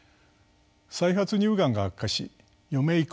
再発乳がんが悪化し余命